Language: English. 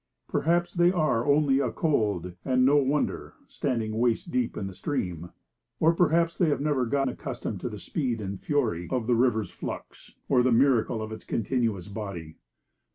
Perhaps they are only a cold, and no wonder, standing waist deep in the stream. Or perhaps they have never got accustomed to the speed and fury of the river's flux, or the miracle of its continuous body.